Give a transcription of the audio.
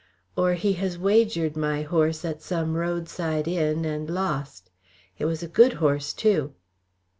"Or he has wagered my horse at some roadside inn and lost! It was a good horse, too."